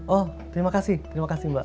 oh terima kasih terima kasih mbak